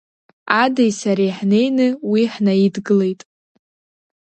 Адеи сареи ҳнеины уи ҳнаидгылеит…